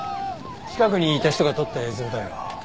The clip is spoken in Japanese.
近くにいた人が撮った映像だよ。